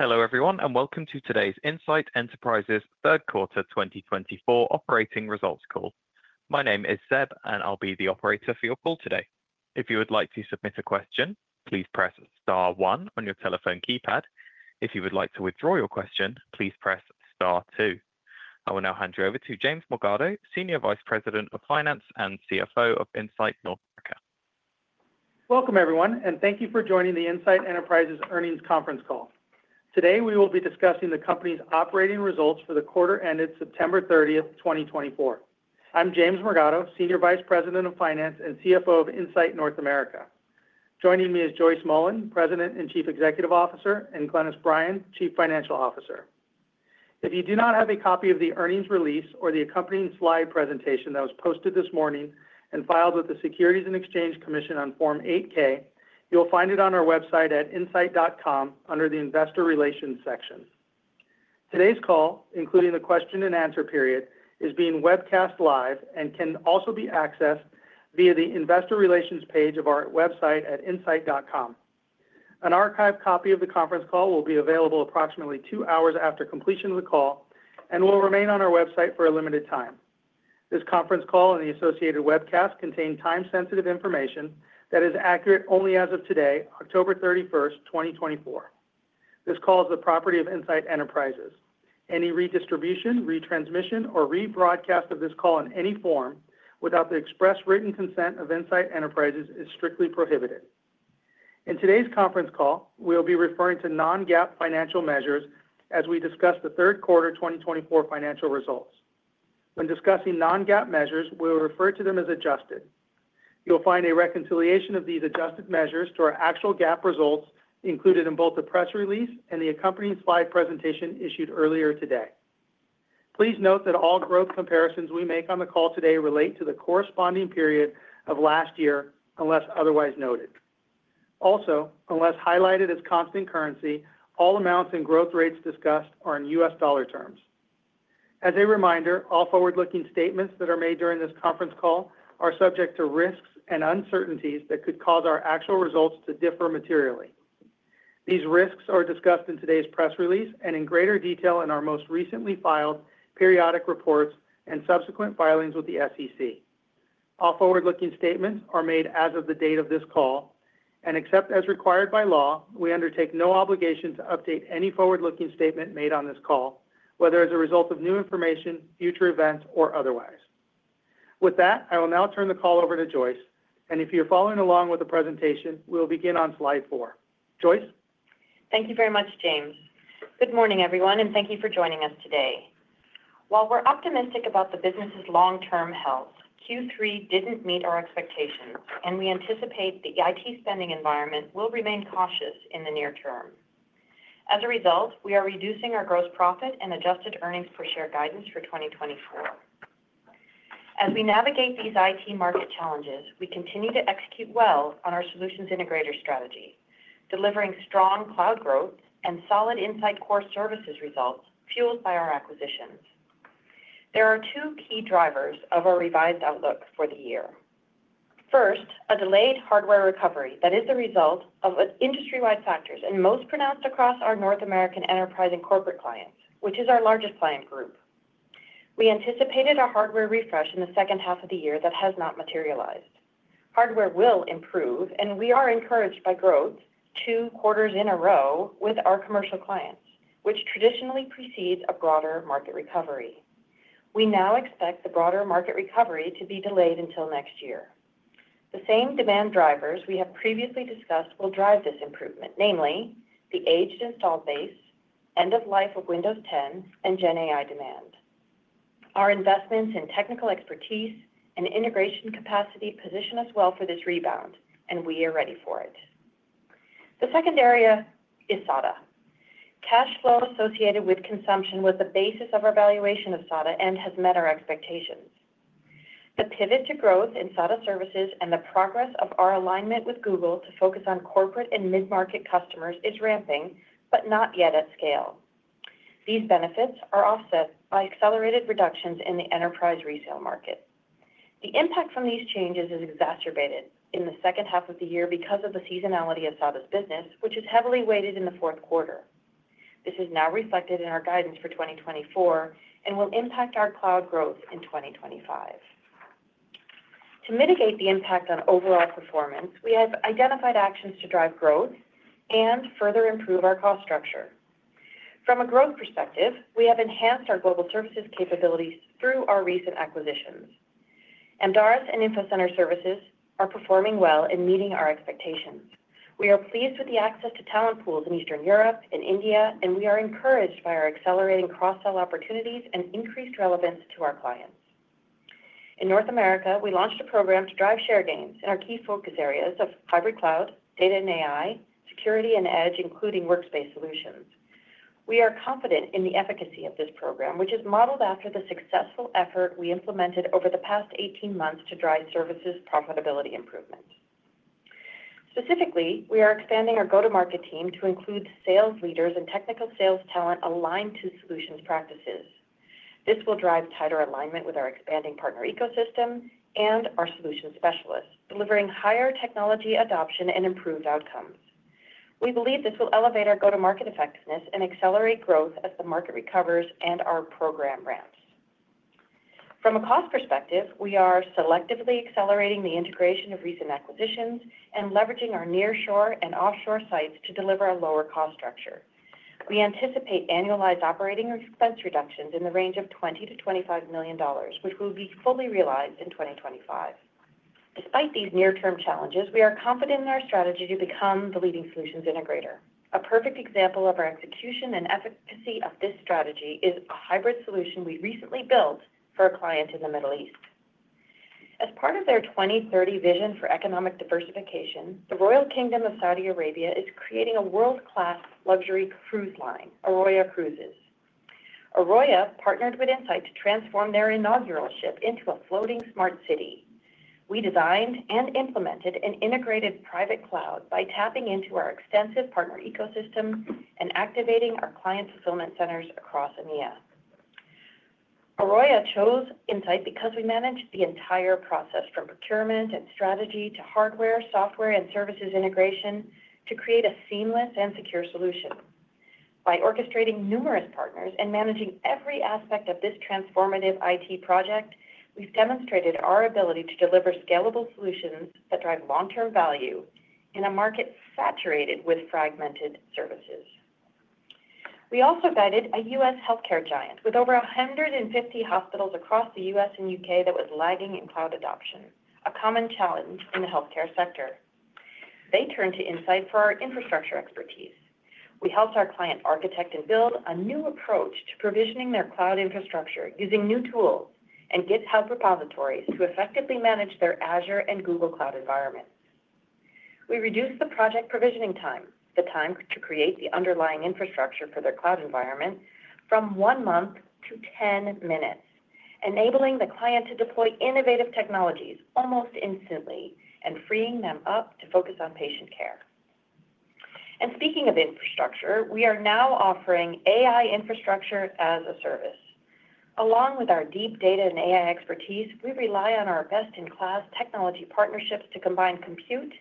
Hello everyone, and welcome to today's Insight Enterprises Q3 2024 Operating Results Call. My name is Seb, and I'll be the operator for your call today. If you would like to submit a question, please press star one on your telephone keypad. If you would like to withdraw your question, please press star two. I will now hand you over to James Morgado, Senior Vice President of Finance and CFO of Insight North America. Welcome everyone, and thank you for joining the Insight Enterprises Earnings Conference Call. Today we will be discussing the company's operating results for the quarter ended September 30, 2024. I'm James Morgado, Senior Vice President of Finance and CFO of Insight North America. Joining me is Joyce Mullen, President and Chief Executive Officer, and Glynis Bryan, Chief Financial Officer. If you do not have a copy of the earnings release or the accompanying slide presentation that was posted this morning and filed with the Securities and Exchange Commission on Form 8-K, you'll find it on our website at insight.com under the Investor Relations section. Today's call, including the question and answer period, is being webcast live and can also be accessed via the Investor Relations page of our website at insight.com. An archived copy of the conference call will be available approximately two hours after completion of the call and will remain on our website for a limited time. This conference call and the associated webcast contain time-sensitive information that is accurate only as of today, October 31, 2024. This call is the property of Insight Enterprises. Any redistribution, retransmission, or rebroadcast of this call in any form without the express written consent of Insight Enterprises is strictly prohibited. In today's conference call, we'll be referring to non-GAAP financial measures as we discuss the Q3 2024 financial results. When discussing non-GAAP measures, we'll refer to them as adjusted. You'll find a reconciliation of these adjusted measures to our actual GAAP results included in both the press release and the accompanying slide presentation issued earlier today. Please note that all growth comparisons we make on the call today relate to the corresponding period of last year unless otherwise noted. Also, unless highlighted as constant currency, all amounts and growth rates discussed are in U.S. dollar terms. As a reminder, all forward-looking statements that are made during this conference call are subject to risks and uncertainties that could cause our actual results to differ materially. These risks are discussed in today's press release and in greater detail in our most recently filed periodic reports and subsequent filings with the SEC. All forward-looking statements are made as of the date of this call, and except as required by law, we undertake no obligation to update any forward-looking statement made on this call, whether as a result of new information, future events, or otherwise. With that, I will now turn the call over to Joyce, and if you're following along with the presentation, we'll begin on slide four. Joyce. Thank you very much, James. Good morning, everyone, and thank you for joining us today. While we're optimistic about the business's long-term health, Q3 didn't meet our expectations, and we anticipate the IT spending environment will remain cautious in the near term. As a result, we are reducing our gross profit and adjusted earnings per share guidance for 2024. As we navigate these IT market challenges, we continue to execute well on our solutions integrator strategy, delivering strong cloud growth and solid Insight Core Services results fueled by our acquisitions. There are two key drivers of our revised outlook for the year. First, a delayed hardware recovery that is the result of industry-wide factors and most pronounced across our North American enterprise corporate clients, which is our largest client group. We anticipated a hardware refresh in the second half of the year that has not materialized. Hardware will improve, and we are encouraged by growth two quarters in a row with our commercial clients, which traditionally precedes a broader market recovery. We now expect the broader market recovery to be delayed until next year. The same demand drivers we have previously discussed will drive this improvement, namely the aged installed base, end of life of Windows 10, and Gen AI demand. Our investments in technical expertise and integration capacity position us well for this rebound, and we are ready for it. The second area is SADA. Cash flow associated with consumption was the basis of our valuation of SADA and has met our expectations. The pivot to growth in SADA services and the progress of our alignment with Google to focus on corporate and mid-market customers is ramping, but not yet at scale. These benefits are offset by accelerated reductions in the enterprise resale market. The impact from these changes is exacerbated in the second half of the year because of the seasonality of SADA's business, which is heavily weighted in the fourth quarter. This is now reflected in our guidance for 2024 and will impact our cloud growth in 2025. To mitigate the impact on overall performance, we have identified actions to drive growth and further improve our cost structure. From a growth perspective, we have enhanced our global services capabilities through our recent acquisitions. Amdaris and Infocenter Services are performing well and meeting our expectations. We are pleased with the access to talent pools in Eastern Europe and India, and we are encouraged by our accelerating cross-sell opportunities and increased relevance to our clients. In North America, we launched a program to drive share gains in our key focus areas of hybrid cloud, data and AI, security, and edge, including workspace solutions. We are confident in the efficacy of this program, which is modeled after the successful effort we implemented over the past 18 months to drive services profitability improvement. Specifically, we are expanding our go-to-market team to include sales leaders and technical sales talent aligned to solutions practices. This will drive tighter alignment with our expanding partner ecosystem and our solution specialists, delivering higher technology adoption and improved outcomes. We believe this will elevate our go-to-market effectiveness and accelerate growth as the market recovers and our program ramps. From a cost perspective, we are selectively accelerating the integration of recent acquisitions and leveraging our nearshore and offshore sites to deliver a lower cost structure. We anticipate annualized operating expense reductions in the range of $20-$25 million, which will be fully realized in 2025. Despite these near-term challenges, we are confident in our strategy to become the leading solutions integrator. A perfect example of our execution and efficacy of this strategy is a hybrid solution we recently built for a client in the Middle East. As part of their 2030 vision for economic diversification, the Kingdom of Saudi Arabia is creating a world-class luxury cruise line, AROYA Cruises. AROYA partnered with Insight to transform their inaugural ship into a floating smart city. We designed and implemented an integrated private cloud by tapping into our extensive partner ecosystem and activating our client fulfillment centers across EMEA. AROYA chose Insight because we manage the entire process from procurement and strategy to hardware, software, and services integration to create a seamless and secure solution. By orchestrating numerous partners and managing every aspect of this transformative IT project, we've demonstrated our ability to deliver scalable solutions that drive long-term value in a market saturated with fragmented services. We also guided a U.S. healthcare giant with over 150 hospitals across the U.S. and U.K. that was lagging in cloud adoption, a common challenge in the healthcare sector. They turned to Insight for our infrastructure expertise. We helped our client architect and build a new approach to provisioning their cloud infrastructure using new tools and GitHub repositories to effectively manage their Azure and Google Cloud environments. We reduced the project provisioning time, the time to create the underlying infrastructure for their cloud environment, from one month to 10 minutes, enabling the client to deploy innovative technologies almost instantly and freeing them up to focus on patient care. And speaking of infrastructure, we are now offering AI infrastructure as a service. Along with our deep data and AI expertise, we rely on our best-in-class technology partnerships to combine compute,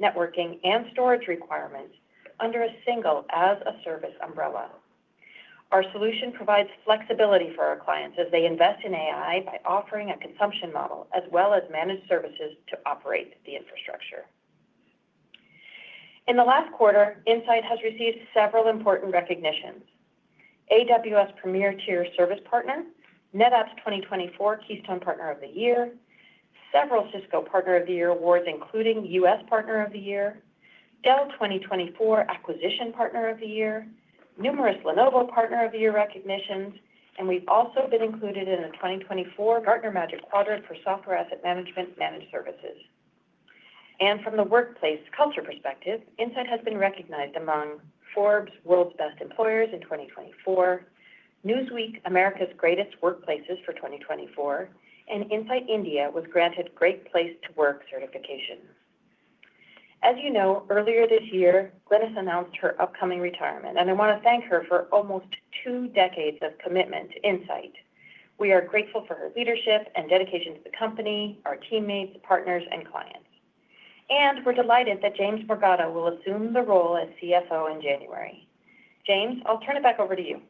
networking, and storage requirements under a single as-a-service umbrella. Our solution provides flexibility for our clients as they invest in AI by offering a consumption model as well as managed services to operate the infrastructure. In the last quarter, Insight has received several important recognitions: AWS Premier Tier Service Partner, NetApp's 2024 Keystone Partner of the Year, several Cisco Partner of the Year awards including U.S. Partner of the Year, Dell 2024 Acquisition Partner of the Year, numerous Lenovo Partner of the Year recognitions, and we've also been included in a 2024 Gartner Magic Quadrant for Software Asset Management Managed Services, and from the workplace culture perspective, Insight has been recognized among Forbes' world's best employers in 2024, Newsweek America's Greatest Workplaces for 2024, and Insight India was granted Great Place to Work certification. As you know, earlier this year, Glynis announced her upcoming retirement, and I want to thank her for almost two decades of commitment to Insight. We are grateful for her leadership and dedication to the company, our teammates, partners, and clients, and we're delighted that James Morgado will assume the role as CFO in January. James, I'll turn it back over to you.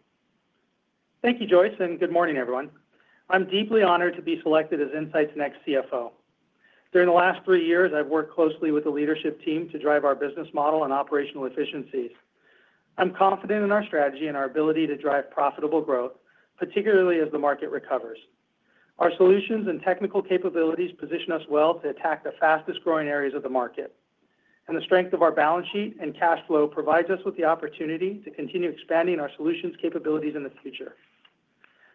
Thank you, Joyce, and good morning, everyone. I'm deeply honored to be selected as Insight's next CFO. During the last three years, I've worked closely with the leadership team to drive our business model and operational efficiencies. I'm confident in our strategy and our ability to drive profitable growth, particularly as the market recovers. Our solutions and technical capabilities position us well to attack the fastest-growing areas of the market, and the strength of our balance sheet and cash flow provides us with the opportunity to continue expanding our solutions capabilities in the future.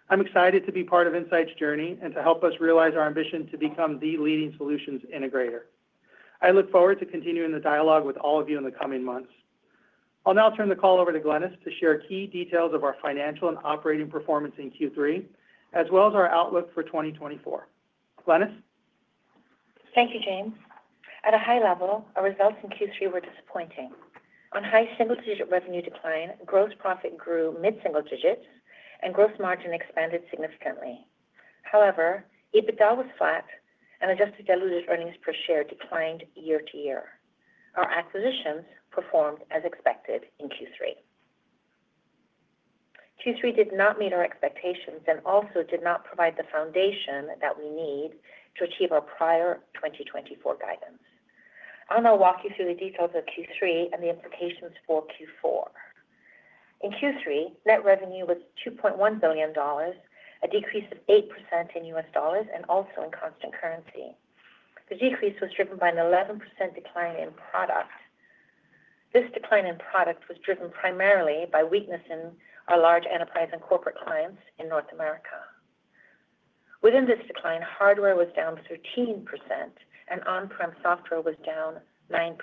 I'm excited to be part of Insight's journey and to help us realize our ambition to become the leading solutions integrator. I look forward to continuing the dialogue with all of you in the coming months. I'll now turn the call over to Glynis to share key details of our financial and operating performance in Q3, as well as our outlook for 2024. Glynis? Thank you, James. At a high level, our results in Q3 were disappointing. On high single-digit revenue decline, gross profit grew mid-single digits, and gross margin expanded significantly. However, EBITDA was flat, and adjusted diluted earnings per share declined year to year. Our acquisitions performed as expected in Q3. Q3 did not meet our expectations and also did not provide the foundation that we need to achieve our prior 2024 guidance. I'll now walk you through the details of Q3 and the implications for Q4. In Q3, net revenue was $2.1 billion, a decrease of 8% in U.S. dollars and also in constant currency. The decrease was driven by an 11% decline in product. This decline in product was driven primarily by weakness in our large enterprise and corporate clients in North America. Within this decline, hardware was down 13%, and on-prem software was down 9%.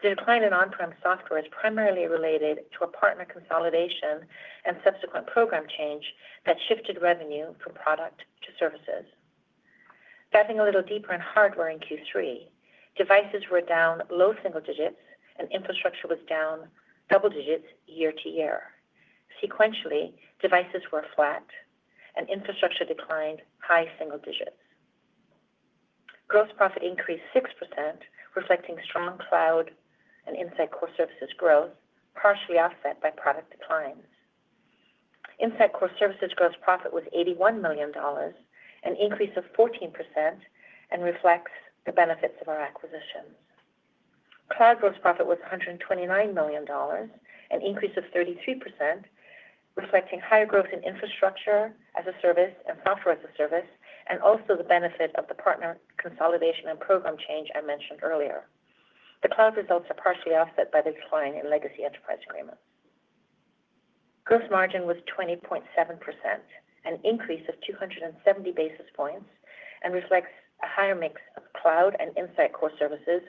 The decline in on-prem software is primarily related to a partner consolidation and subsequent program change that shifted revenue from product to services. Diving a little deeper in hardware in Q3, devices were down low single digits, and infrastructure was down double digits year to year. Sequentially, devices were flat, and infrastructure declined high single digits. Gross profit increased 6%, reflecting strong cloud and Insight Core Services growth, partially offset by product declines. Insight Core Services gross profit was $81 million, an increase of 14%, and reflects the benefits of our acquisitions. Cloud gross profit was $129 million, an increase of 33%, reflecting higher growth in infrastructure as a service and software as a service, and also the benefit of the partner consolidation and program change I mentioned earlier. The cloud results are partially offset by the decline in legacy enterprise agreements. Gross margin was 20.7%, an increase of 270 basis points, and reflects a higher mix of cloud and Insight Core Services,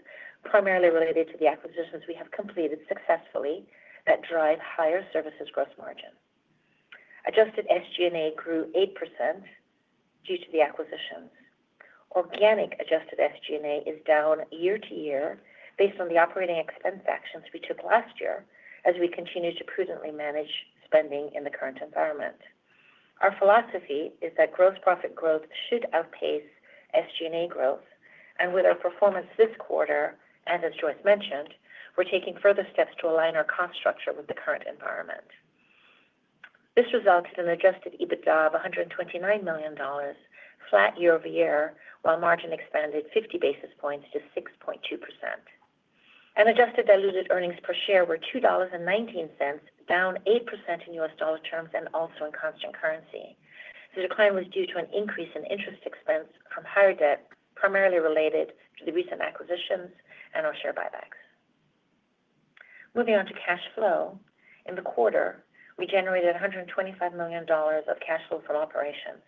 primarily related to the acquisitions we have completed successfully that drive higher services gross margin. Adjusted SG&A grew 8% due to the acquisitions. Organic adjusted SG&A is down year to year based on the operating expense actions we took last year as we continue to prudently manage spending in the current environment. Our philosophy is that gross profit growth should outpace SG&A growth, and with our performance this quarter, and as Joyce mentioned, we're taking further steps to align our cost structure with the current environment. This resulted Adjusted EBITDA of $129 million, flat year-over-year, while margin expanded 50 basis points to 6.2%, and adjusted diluted earnings per share were $2.19, down 8% in US dollar terms and also in constant currency. The decline was due to an increase in interest expense from higher debt, primarily related to the recent acquisitions and our share buybacks. Moving on to cash flow, in the quarter, we generated $125 million of cash flow from operations.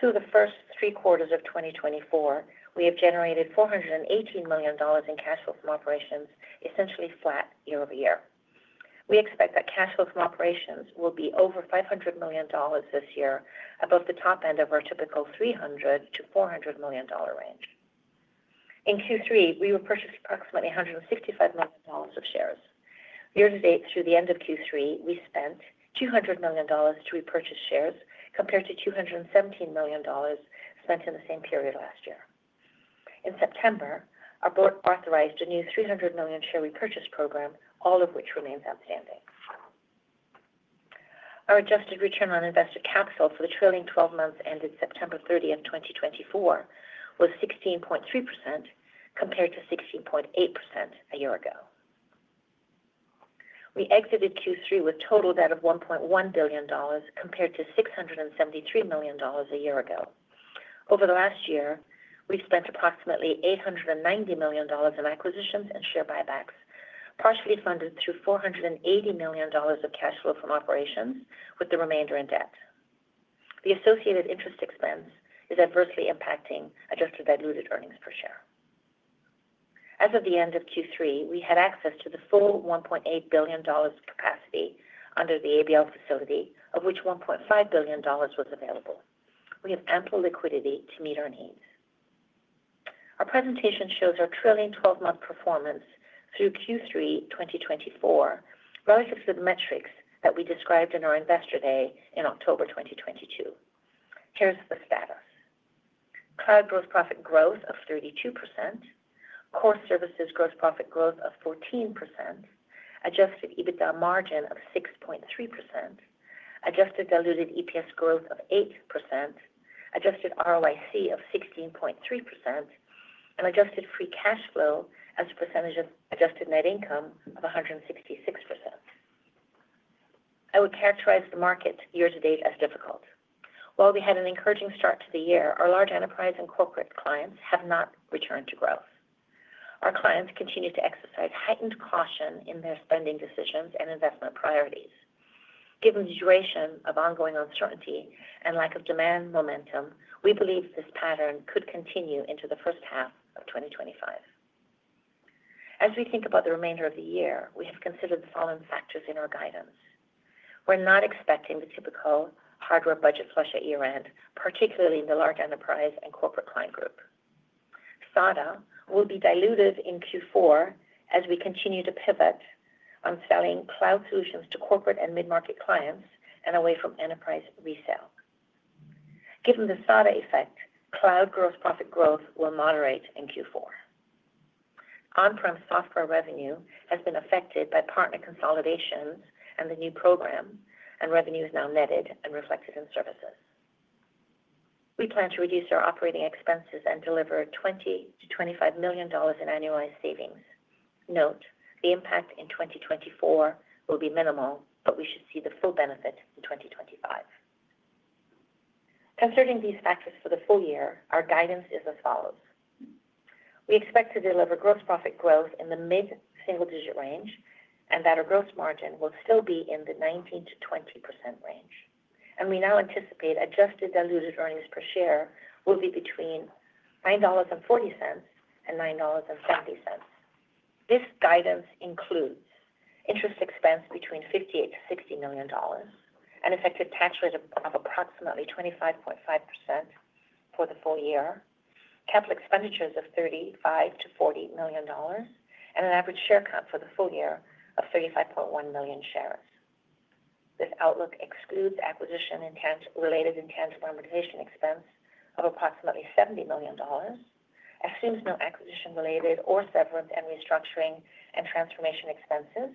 Through the first three quarters of 2024, we have generated $418 million in cash flow from operations, essentially flat year-over-year. We expect that cash flow from operations will be over $500 million this year, above the top end of our typical $300-$400 million range. In Q3, we repurchased approximately $165 million of shares. Year to date through the end of Q3, we spent $200 million to repurchase shares compared to $217 million spent in the same period last year. In September, our board authorized a new $300 million share repurchase program, all of which remains outstanding. Our adjusted return on invested capital for the trailing 12 months ended September 30, 2024, was 16.3% compared to 16.8% a year ago. We exited Q3 with total debt of $1.1 billion compared to $673 million a year ago. Over the last year, we've spent approximately $890 million in acquisitions and share buybacks, partially funded through $480 million of cash flow from operations, with the remainder in debt. The associated interest expense is adversely impacting adjusted diluted earnings per share. As of the end of Q3, we had access to the full $1.8 billion capacity under the ABL facility, of which $1.5 billion was available. We have ample liquidity to meet our needs. Our presentation shows our trailing 12-month performance through Q3 2024, relative to the metrics that we described in our investor day in October 2022. Here's the status. Cloud gross profit growth of 32%, core services gross profit growth of 14%, Adjusted EBITDA margin of 6.3%, adjusted diluted EPS growth of 8%, adjusted ROIC of 16.3%, and Adjusted Free Cash Flow as a percentage of adjusted net income of 166%. I would characterize the market year to date as difficult. While we had an encouraging start to the year, our large enterprise and corporate clients have not returned to growth. Our clients continue to exercise heightened caution in their spending decisions and investment priorities. Given the duration of ongoing uncertainty and lack of demand momentum, we believe this pattern could continue into the first half of 2025. As we think about the remainder of the year, we have considered the following factors in our guidance. We're not expecting the typical hardware budget flush at year-end, particularly in the large enterprise and corporate client group. SADA will be diluted in Q4 as we continue to pivot on selling cloud solutions to corporate and mid-market clients and away from enterprise resale. Given the SADA effect, cloud gross profit growth will moderate in Q4. On-prem software revenue has been affected by partner consolidations and the new program, and revenue is now netted and reflected in services. We plan to reduce our operating expenses and deliver $20-$25 million in annualized savings. Note the impact in 2024 will be minimal, but we should see the full benefit in 2025. Considering these factors for the full year, our guidance is as follows. We expect to deliver gross profit growth in the mid-single digit range, and that our gross margin will still be in the 19%-20% range, and we now anticipate adjusted diluted earnings per share will be between $9.40 and $9.70. This guidance includes interest expense between $58-$60 million, an effective tax rate of approximately 25.5% for the full year, capital expenditures of $35-$40 million, and an average share count for the full year of 35.1 million shares. This outlook excludes acquisition-related items for amortization expense of approximately $70 million, assumes no acquisition-related or severance and restructuring and transformation expenses,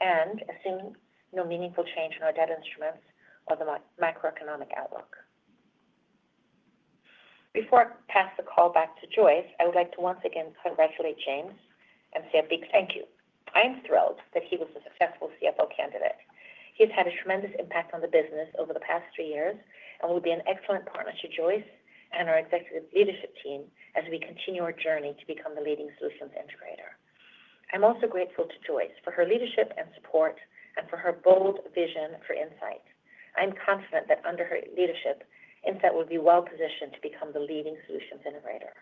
and assumes no meaningful change in our debt instruments or the macroeconomic outlook. Before I pass the call back to Joyce, I would like to once again congratulate James and say a big thank you. I am thrilled that he was a successful CFO candidate. He has had a tremendous impact on the business over the past three years and will be an excellent partner to Joyce and our executive leadership team as we continue our journey to become the leading solutions integrator. I'm also grateful to Joyce for her leadership and support and for her bold vision for Insight. I'm confident that under her leadership, Insight will be well positioned to become the leading solutions integrator.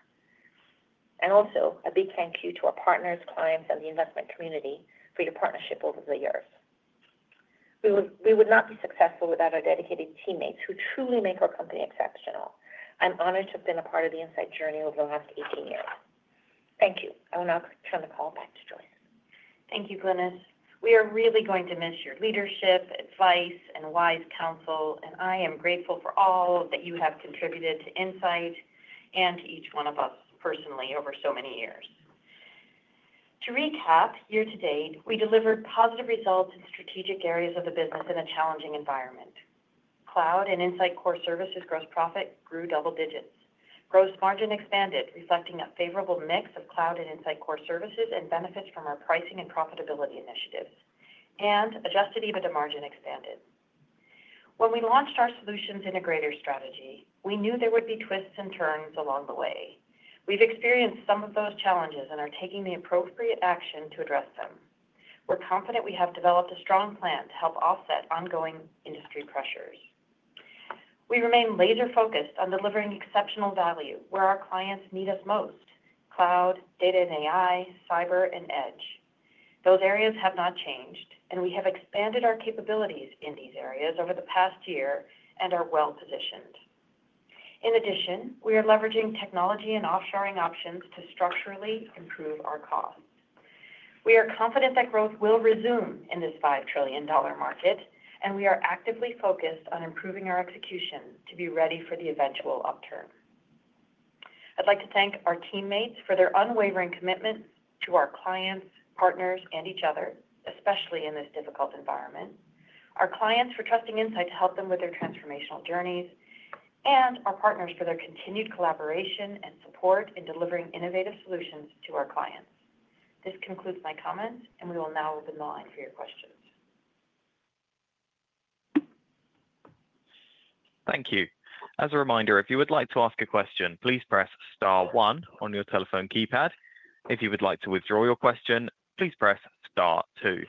And also, a big thank you to our partners, clients, and the investment community for your partnership over the years. We would not be successful without our dedicated teammates who truly make our company exceptional. I'm honored to have been a part of the Insight journey over the last 18 years. Thank you. I will now turn the call back to Joyce. Thank you, Glynis. We are really going to miss your leadership, advice, and wise counsel, and I am grateful for all that you have contributed to Insight and to each one of us personally over so many years. To recap, year to date, we delivered positive results in strategic areas of the business in a challenging environment. Cloud and Insight Core Services gross profit grew double digits. Gross margin expanded, reflecting a favorable mix of cloud and Insight Core Services and benefits from our pricing and profitability initiatives, and Adjusted EBITDA margin expanded. When we launched our solutions integrator strategy, we knew there would be twists and turns along the way. We've experienced some of those challenges and are taking the appropriate action to address them. We're confident we have developed a strong plan to help offset ongoing industry pressures. We remain laser-focused on delivering exceptional value where our clients need us most: cloud, data and AI, cyber, and edge. Those areas have not changed, and we have expanded our capabilities in these areas over the past year and are well positioned. In addition, we are leveraging technology and offshoring options to structurally improve our costs. We are confident that growth will resume in this $5 trillion market, and we are actively focused on improving our execution to be ready for the eventual upturn. I'd like to thank our teammates for their unwavering commitment to our clients, partners, and each other, especially in this difficult environment. Our clients for trusting Insight to help them with their transformational journeys, and our partners for their continued collaboration and support in delivering innovative solutions to our clients. This concludes my comments, and we will now open the line for your questions. Thank you. As a reminder, if you would like to ask a question, please press star one on your telephone keypad. If you would like to withdraw your question, please press star two.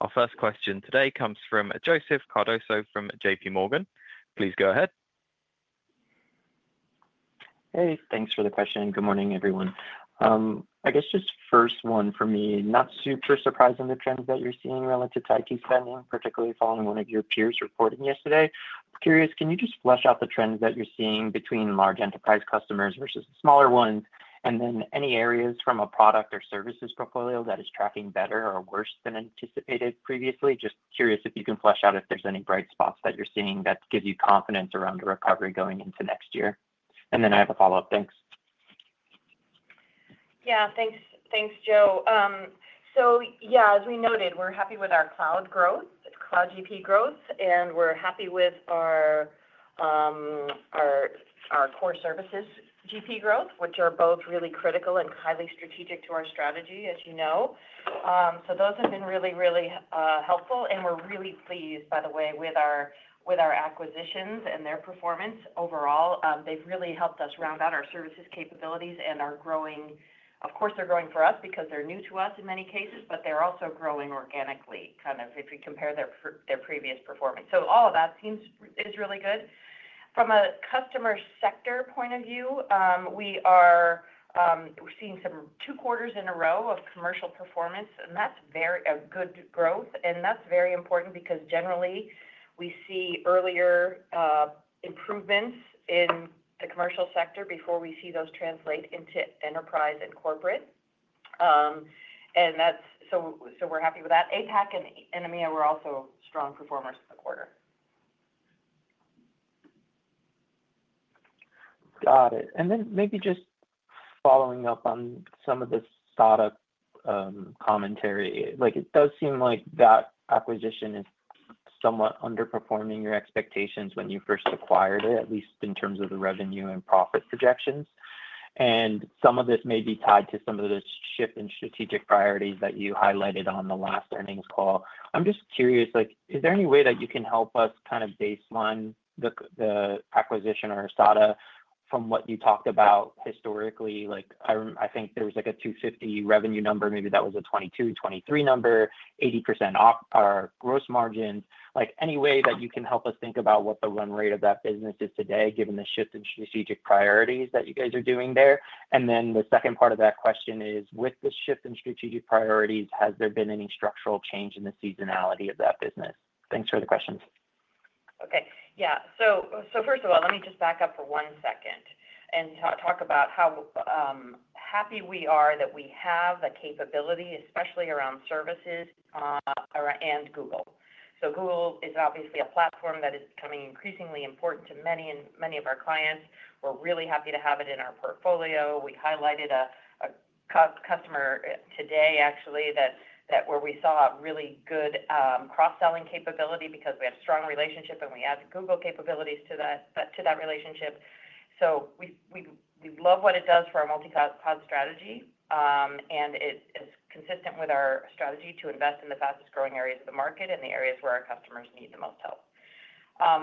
Our first question today comes from Joseph Cardoso from JPMorgan. Please go ahead. Hey, thanks for the question. Good morning, everyone. I guess just first one for me, not super surprised on the trends that you're seeing relative to IT spending, particularly following one of your peers' reporting yesterday. Curious, can you just flesh out the trends that you're seeing between large enterprise customers versus the smaller ones, and then any areas from a product or services portfolio that is tracking better or worse than anticipated previously? Just curious if you can flesh out if there's any bright spots that you're seeing that give you confidence around the recovery going into next year. And then I have a follow-up. Thanks. Yeah, thanks, Joe. So yeah, as we noted, we're happy with our cloud growth, cloud GP growth, and we're happy with our core services GP growth, which are both really critical and highly strategic to our strategy, as you know. So those have been really, really helpful, and we're really pleased, by the way, with our acquisitions and their performance overall. They've really helped us round out our services capabilities and our growing, of course, they're growing for us because they're new to us in many cases, but they're also growing organically, kind of if we compare their previous performance. So all of that seems really good. From a customer sector point of view, we are seeing some two quarters in a row of commercial performance, and that's a good growth. That's very important because generally, we see earlier improvements in the commercial sector before we see those translate into enterprise and corporate. So we're happy with that. APAC and EMEA were also strong performers for the quarter. Got it. And then maybe just following up on some of the SADA commentary, it does seem like that acquisition is somewhat underperforming your expectations when you first acquired it, at least in terms of the revenue and profit projections. And some of this may be tied to some of the shift in strategic priorities that you highlighted on the last earnings call. I'm just curious, is there any way that you can help us kind of baseline the acquisition or SADA from what you talked about historically? I think there was a 250 revenue number. Maybe that was a 2022, 2023 number, 80% of our gross margins. Any way that you can help us think about what the run rate of that business is today, given the shift in strategic priorities that you guys are doing there? And then the second part of that question is, with the shift in strategic priorities, has there been any structural change in the seasonality of that business? Thanks for the questions. Okay. Yeah. So first of all, let me just back up for one second and talk about how happy we are that we have the capability, especially around services and Google. So Google is obviously a platform that is becoming increasingly important to many of our clients. We're really happy to have it in our portfolio. We highlighted a customer today, actually, where we saw a really good cross-selling capability because we have a strong relationship, and we added Google capabilities to that relationship. So we love what it does for our multi-cloud strategy, and it is consistent with our strategy to invest in the fastest growing areas of the market and the areas where our customers need the most help.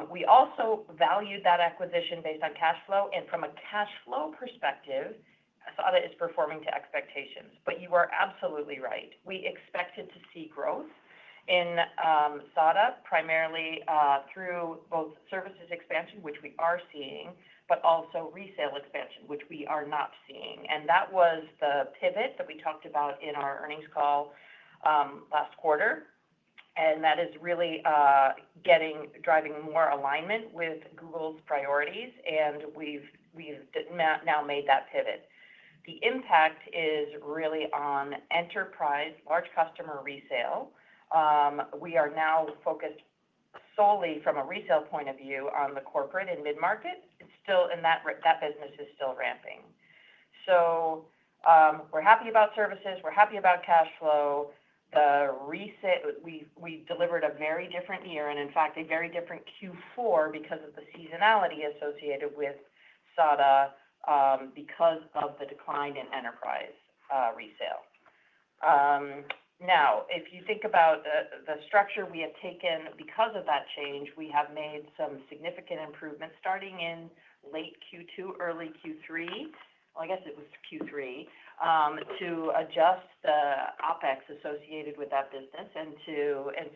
We also valued that acquisition based on cash flow. And from a cash flow perspective, SADA is performing to expectations. But you are absolutely right. We expected to see growth in SADA primarily through both services expansion, which we are seeing, but also resale expansion, which we are not seeing. And that was the pivot that we talked about in our earnings call last quarter. And that is really driving more alignment with Google's priorities, and we've now made that pivot. The impact is really on enterprise, large customer resale. We are now focused solely from a resale point of view on the corporate and mid-market. That business is still ramping. So we're happy about services. We're happy about cash flow. We delivered a very different year and, in fact, a very different Q4 because of the seasonality associated with SADA because of the decline in enterprise resale. Now, if you think about the structure we have taken because of that change, we have made some significant improvements starting in late Q2, early Q3. I guess it was Q3 to adjust the OpEx associated with that business.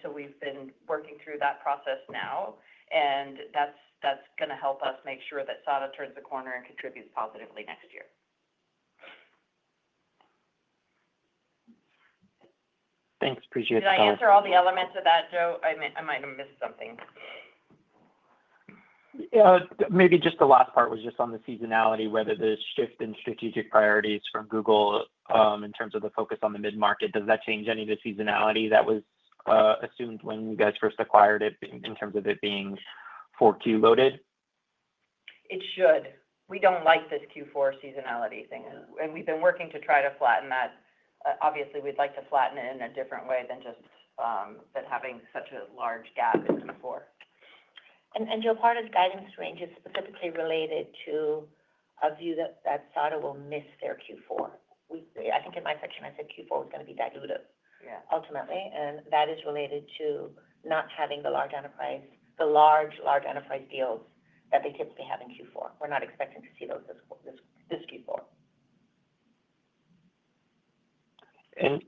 So we've been working through that process now, and that's going to help us make sure that SADA turns the corner and contributes positively next year. Thanks. Appreciate the comments. Did I answer all the elements of that, Joe? I might have missed something. Maybe just the last part was just on the seasonality, whether the shift in strategic priorities from Google in terms of the focus on the mid-market, does that change any of the seasonality that was assumed when you guys first acquired it in terms of it being for Q-loaded? It should. We don't like this Q4 seasonality thing. And we've been working to try to flatten that. Obviously, we'd like to flatten it in a different way than having such a large gap in Q4. And, Joe, part of guidance range is specifically related to a view that SADA will miss their Q4. I think in my section, I said Q4 was going to be diluted ultimately. And that is related to not having the large, large enterprise deals that they typically have in Q4. We're not expecting to see those this Q4.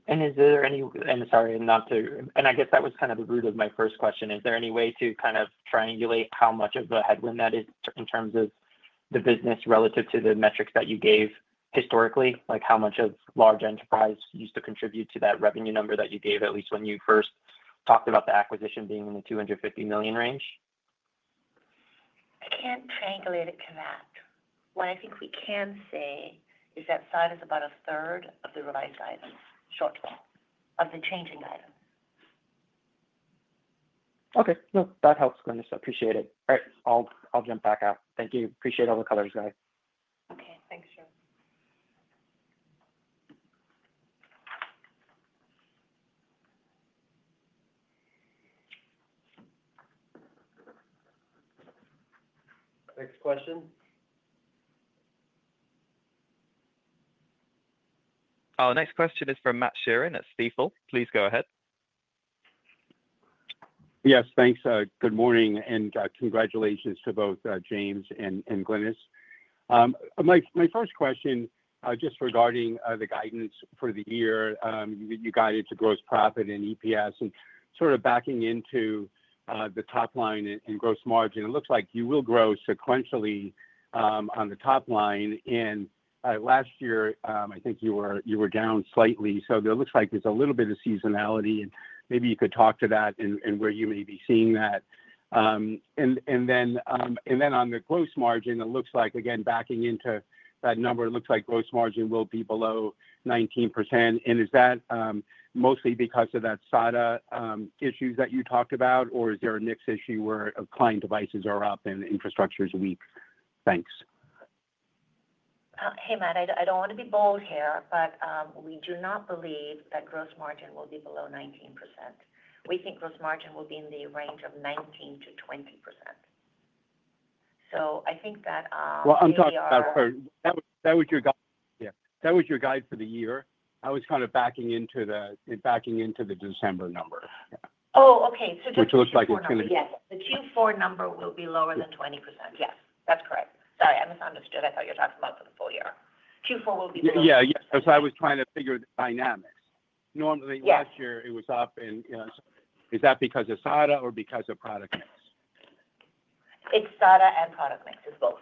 And is there any? I'm sorry, not to, and I guess that was kind of the root of my first question. Is there any way to kind of triangulate how much of a headwind that is in terms of the business relative to the metrics that you gave historically? How much of large enterprise used to contribute to that revenue number that you gave, at least when you first talked about the acquisition being in the $250 million range? I can't triangulate it to that. What I think we can say is that SADA is about a third of the revised items, shortfall of the changing items. Okay. No, that helps, Glynis. I appreciate it. All right. I'll jump back out. Thank you. Appreciate all the colors, guys. Okay. Thanks, Joe. Next question? Our next question is from Matt Sheerin at Stifel. Please go ahead. Yes, thanks. Good morning and congratulations to both James and Glynis. My first question just regarding the guidance for the year. You guided to gross profit and EPS and sort of backing into the top line and gross margin. It looks like you will grow sequentially on the top line. And last year, I think you were down slightly. So it looks like there's a little bit of seasonality. And maybe you could talk to that and where you may be seeing that. And then on the gross margin, it looks like, again, backing into that number, it looks like gross margin will be below 19%. And is that mostly because of that SADA issues that you talked about, or is there a mixed issue where client devices are up and infrastructure is weak? Thanks. Hey, Matt, I don't want to be bold here, but we do not believe that gross margin will be below 19%. We think gross margin will be in the range of 19%-20%. So I think that. Well, I'm talking about. That was your guide for the year. That was kind of backing into the December number. Oh, okay. So just Q4. Which looks like it's going to be. Yes, the Q4 number will be lower than 20%. Yes, that's correct. Sorry, I misunderstood. I thought you were talking about the full year. Q4 will be lower. Yeah, yeah, so I was trying to figure the dynamics. Normally, last year, it was up, and is that because of SADA or because of product mix? It's SADA and product mix. It's both.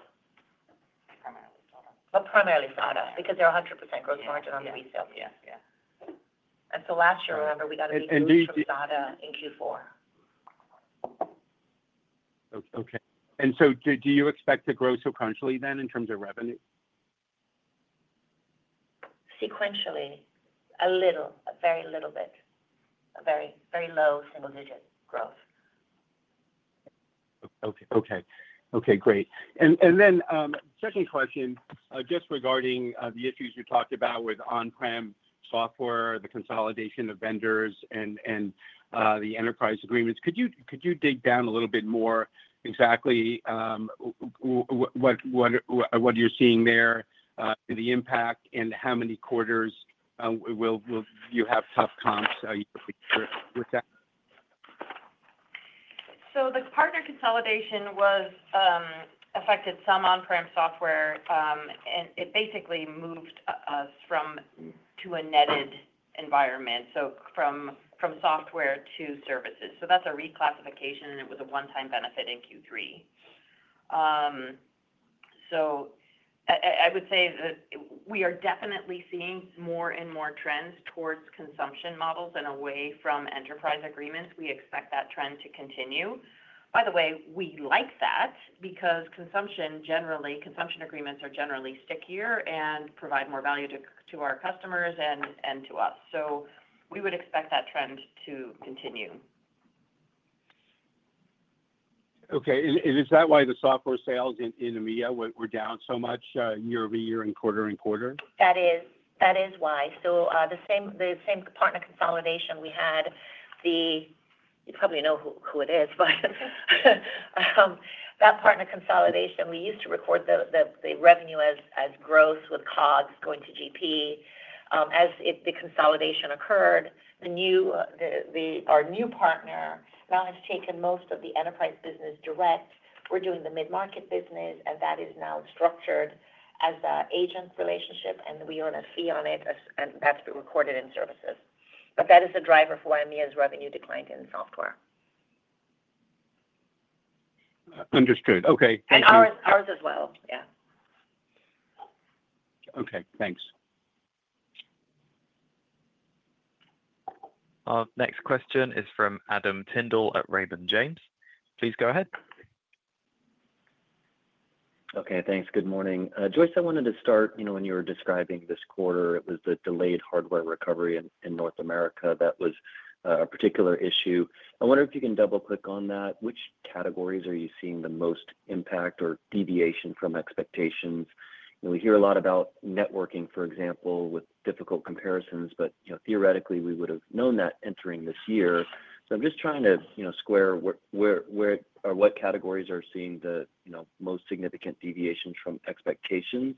Primarily SADA. But primarily SADA because they're 100% gross margin on the resale. Yeah, yeah. And so last year, remember, we got a little bit of SADA in Q4. Okay. And so do you expect to grow sequentially then in terms of revenue? Sequentially, a little, a very little bit, a very low single-digit growth. Okay. Great and then, second question, just regarding the issues you talked about with on-prem software, the consolidation of vendors, and the enterprise agreements. Could you dig down a little bit more exactly what you're seeing there, the impact, and how many quarters will you have tough comps with that? So the partner consolidation affected some on-prem software, and it basically moved us to a netted environment, so from software to services. So that's a reclassification, and it was a one-time benefit in Q3. So I would say that we are definitely seeing more and more trends towards consumption models and away from enterprise agreements. We expect that trend to continue. By the way, we like that because consumption agreements are generally stickier and provide more value to our customers and to us. So we would expect that trend to continue. Okay. And is that why the software sales in EMEA were down so much year-over-year and quarter and quarter? That is why. So the same partner consolidation we had, you probably know who it is, but that partner consolidation, we used to record the revenue as gross with COGS going to GP. As the consolidation occurred, our new partner now has taken most of the enterprise business direct. We're doing the mid-market business, and that is now structured as an agent relationship, and we earn a fee on it, and that's been recorded in services. But that is the driver for why EMEA's revenue declined in software. Understood. Okay. Thank you. And ours as well. Yeah. Okay. Thanks. Next question is from Adam Tindle at Raymond James. Please go ahead. Okay. Thanks. Good morning. Joyce, I wanted to start when you were describing this quarter, it was the delayed hardware recovery in North America that was a particular issue. I wonder if you can double-click on that. Which categories are you seeing the most impact or deviation from expectations? We hear a lot about networking, for example, with difficult comparisons, but theoretically, we would have known that entering this year. So I'm just trying to square what categories are seeing the most significant deviations from expectations.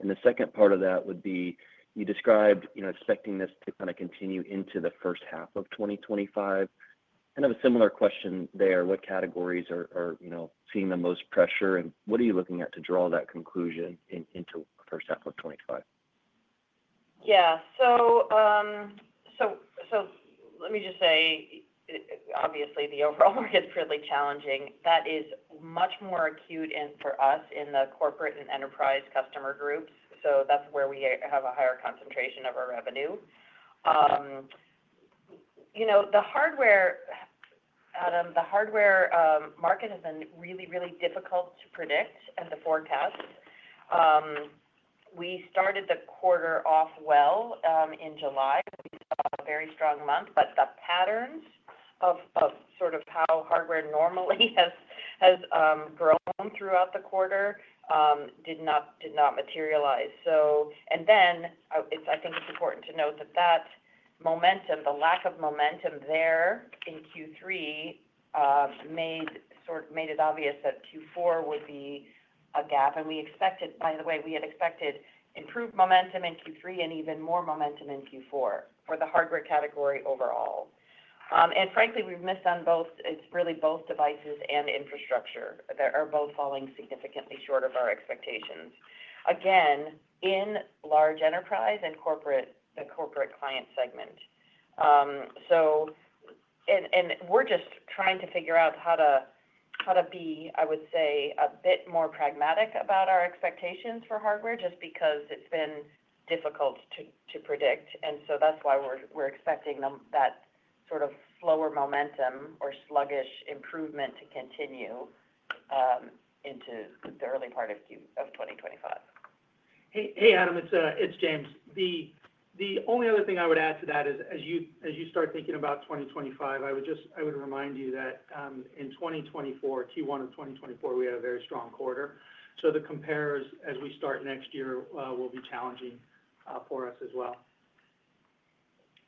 And the second part of that would be you described expecting this to kind of continue into the first half of 2025. Kind of a similar question there. What categories are seeing the most pressure, and what are you looking at to draw that conclusion into the first half of 2025? Yeah. So let me just say, obviously, the overall market is really challenging. That is much more acute for us in the corporate and enterprise customer groups. So that's where we have a higher concentration of our revenue. The hardware, Adam, the hardware market has been really, really difficult to predict and to forecast. We started the quarter off well in July. We saw a very strong month, but the patterns of sort of how hardware normally has grown throughout the quarter did not materialize. And then I think it's important to note that that momentum, the lack of momentum there in Q3 made it obvious that Q4 would be a gap. And we expected, by the way, we had expected improved momentum in Q3 and even more momentum in Q4 for the hardware category overall. And frankly, we've missed on both. It's really both devices and infrastructure that are both falling significantly short of our expectations. Again, in large enterprise and corporate client segment. And we're just trying to figure out how to be, I would say, a bit more pragmatic about our expectations for hardware just because it's been difficult to predict. And so that's why we're expecting that sort of slower momentum or sluggish improvement to continue into the early part of 2025. Hey, Adam. It's James. The only other thing I would add to that is, as you start thinking about 2025, I would remind you that in 2024, Q1 of 2024, we had a very strong quarter. So the comparison as we start next year will be challenging for us as well.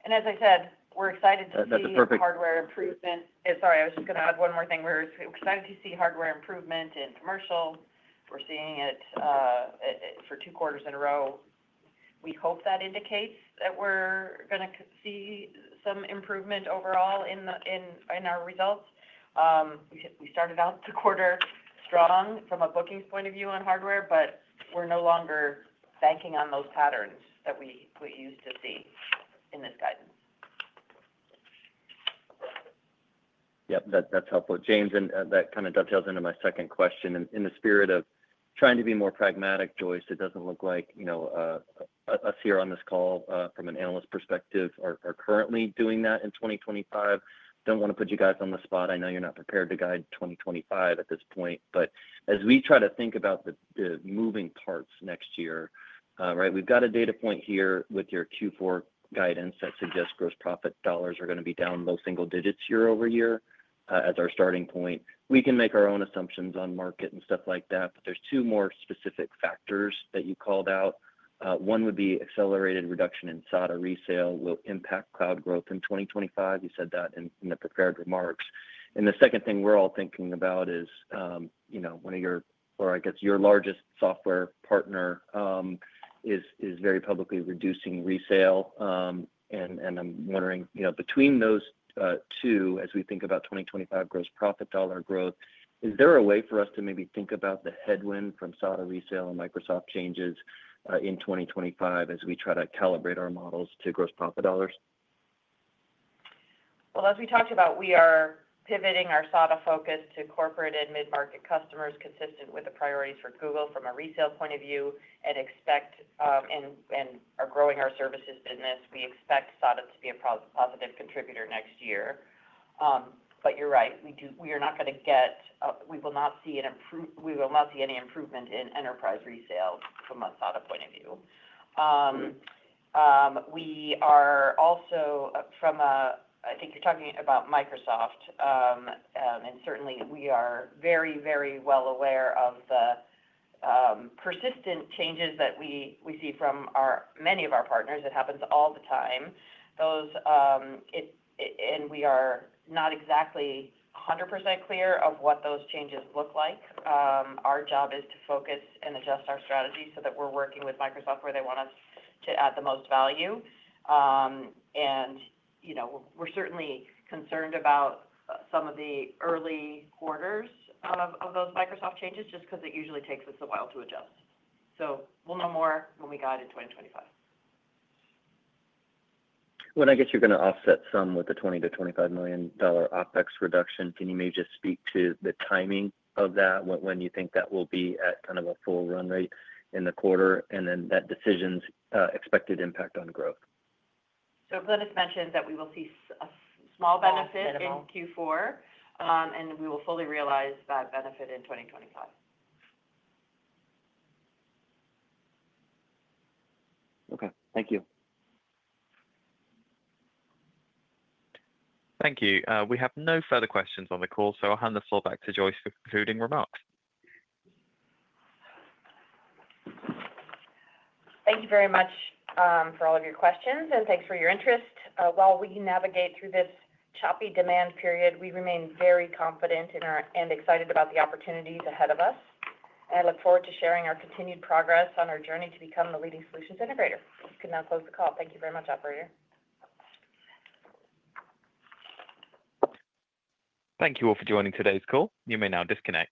As I said, we're excited to see hardware improvement. Sorry, I was just going to add one more thing. We're excited to see hardware improvement in commercial. We're seeing it for two quarters in a row. We hope that indicates that we're going to see some improvement overall in our results. We started out the quarter strong from a bookings point of view on hardware, but we're no longer banking on those patterns that we used to see in this guidance. Yep. That's helpful. James, and that kind of dovetails into my second question. In the spirit of trying to be more pragmatic, Joyce, it doesn't look like us here on this call, from an analyst perspective, are currently doing that in 2025. Don't want to put you guys on the spot. I know you're not prepared to guide 2025 at this point. But as we try to think about the moving parts next year, right, we've got a data point here with your Q4 guidance that suggests gross profit dollars are going to be down low single digits year-over-year as our starting point. We can make our own assumptions on market and stuff like that, but there's two more specific factors that you called out. One would be accelerated reduction in SADA resale will impact cloud growth in 2025. You said that in the prepared remarks. And the second thing we're all thinking about is one of your, or I guess your largest software partner is very publicly reducing resale. And I'm wondering, between those two, as we think about 2025 gross profit dollar growth, is there a way for us to maybe think about the headwind from SADA resale and Microsoft changes in 2025 as we try to calibrate our models to gross profit dollars? As we talked about, we are pivoting our SADA focus to corporate and mid-market customers consistent with the priorities for Google from a resale point of view and are growing our services business. We expect SADA to be a positive contributor next year. But you're right. We are not going to get. We will not see an improvement. We will not see any improvement in enterprise resale from a SADA point of view. We are also. I think you're talking about Microsoft, and certainly we are very, very well aware of the persistent changes that we see from many of our partners. It happens all the time. And we are not exactly 100% clear of what those changes look like. Our job is to focus and adjust our strategy so that we're working with Microsoft where they want us to add the most value. We're certainly concerned about some of the early quarters of those Microsoft changes just because it usually takes us a while to adjust. We'll know more when we guide in 2025. I guess you're going to offset some with the $20 million-$25 million OpEx reduction. Can you maybe just speak to the timing of that, when you think that will be at kind of a full run rate in the quarter, and then that decision's expected impact on growth? So Glynis mentioned that we will see a small benefit in Q4, and we will fully realize that benefit in 2025. Okay. Thank you. Thank you. We have no further questions on the call, so I'll hand this all back to Joyce for concluding remarks. Thank you very much for all of your questions, and thanks for your interest. While we navigate through this choppy demand period, we remain very confident and excited about the opportunities ahead of us, and I look forward to sharing our continued progress on our journey to become the leading solutions integrator. We can now close the call. Thank you very much, operator. Thank you all for joining today's call. You may now disconnect.